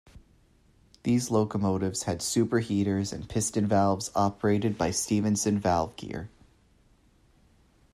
These locomotives had superheaters and piston valves operated by Stephenson valve gear.